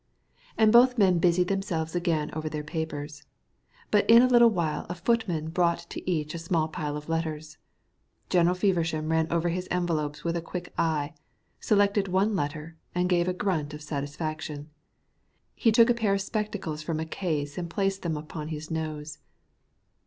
And both men busied themselves again over their papers. But in a little while a footman brought to each a small pile of letters. General Feversham ran over his envelopes with a quick eye, selected one letter, and gave a grunt of satisfaction. He took a pair of spectacles from a case and placed them upon his nose.